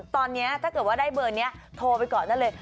ตอนนี้ถ้าเกิดว่าได้เบอร์นี้โทรไปก่อนได้เลย